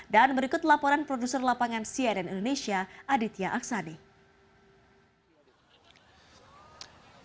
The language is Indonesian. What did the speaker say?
dan berikut laporan produser lapangan cnn indonesia aditya aksani